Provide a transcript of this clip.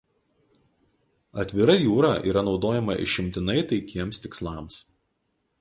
Atvira jūra yra naudojama išimtinai taikiems tikslams.